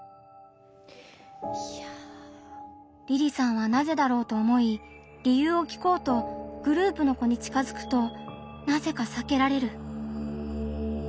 りりさんはなぜだろうと思い理由を聞こうとグループの子に近づくとなぜかさけられる。